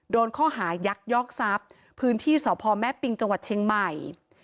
โดนข้อหายักยอกทรัพย์พื้นที่สพแม่ปิงจังหวัดเชียงใหม่